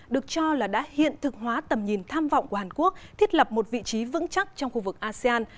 được cho là đã hiện thực hóa tầm nhìn tham vọng của hàn quốc thiết lập một vị trí vững chắc trong khu vực asean